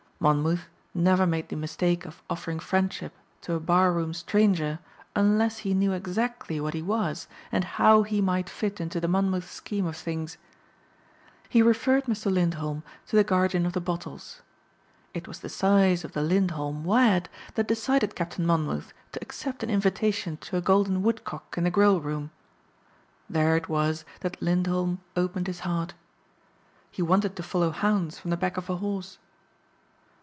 Monmouth never made the mistake of offering friendship to a bar room stranger unless he knew exactly what he was and how he might fit into the Monmouth scheme of things. He referred Mr. Lindholm to the guardian of the bottles. It was the size of the Lindholm wad that decided Captain Monmouth to accept an invitation to a golden woodcock in the grill room. There it was that Lindholm opened his heart. He wanted to follow hounds from the back of a horse.